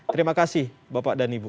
terima kasih bapak dan ibu